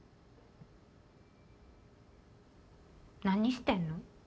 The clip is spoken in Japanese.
何してんの？